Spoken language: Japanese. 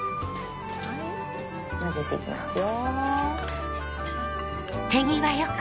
はい混ぜて行きますよ。